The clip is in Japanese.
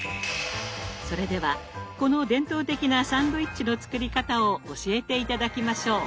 それではこの伝統的なサンドイッチの作り方を教えて頂きましょう！